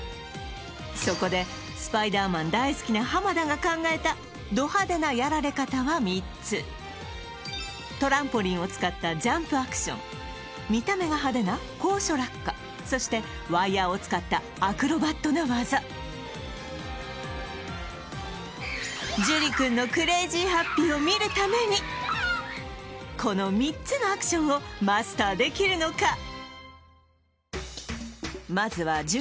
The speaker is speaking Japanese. そこでスパイダーマン大好きな田が考えたど派手なやられ方は３つトランポリンを使ったジャンプアクション見た目が派手な高所落下そしてワイヤをー使ったアクロバットな技ジュリ君のクレイジーハッピーを見るためにこの３つのアクションをマスターできるのか？